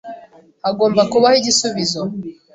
Hagomba kubaho igisubizo.